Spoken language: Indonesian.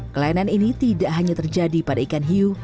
kelainan ini tidak hanya terjadi pada ikan hiu